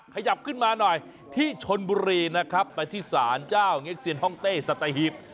ขยับขึ้นมาหน่อยที่ชนบุรีนะครับไปที่ศาลเจ้าเง็กเซียนห้องเต้สัตหีบ